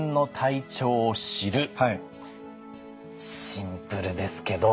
シンプルですけど。